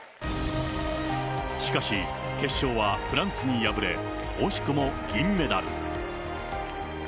しかし、決勝はフランスに敗れ、惜しくも銀メダル。